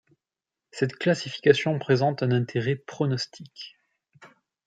Cette classification présente un interêt pronostique.